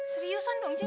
seriusan dong cing